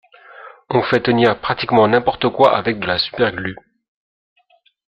On fait tenir pratiquement n’importe quoi avec de la super glu.